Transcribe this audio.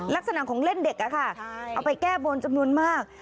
ลักษณะของเล่นเด็ก